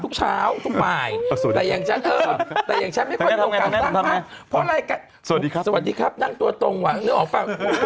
เพราะรายการสวัสดีครับนั่งตัวตรงนึกออกป่ะ